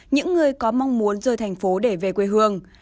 những người có mong muốn rời thành phố để về quê hương